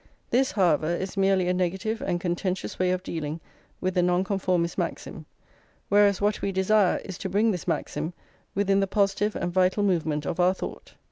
This, however, is merely a negative and contentious way of dealing with the Nonconformist maxim; whereas what we desire is to bring this maxim within the positive and vital movement of our thought.